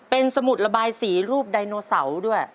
เป็นสมุดระบายสีรูปไดโนเสาร์ด้วย